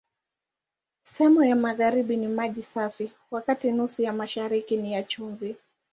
Sehemu ya magharibi ni maji safi, wakati nusu ya mashariki ni ya chumvi.